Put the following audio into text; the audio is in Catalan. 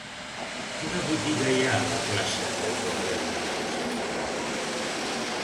Quina botiga hi ha a la plaça de Paul Claudel número set?